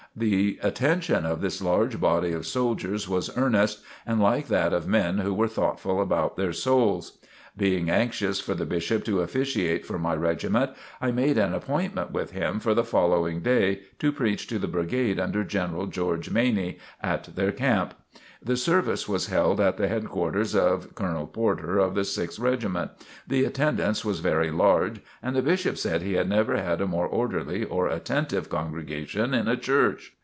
The attention of this large body of soldiers was earnest and like that of men who were thoughtful about their souls. Being anxious for the Bishop to officiate for my regiment, I made an appointment with him for the following day, to preach to the brigade under General George Maney, at their camp. The service was held at the headquarters of Colonel Porter of the Sixth Regiment. The attendance was very large and the Bishop said he had never had a more orderly or attentive congregation in a church.